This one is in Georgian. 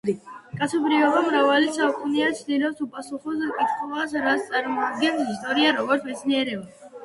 კაცობრიობა მრავალი საუკუნეა ცდილობს უპასუხოს კითხვას, რას წარმოადგენს ისტორია როგორც მეცნიერება.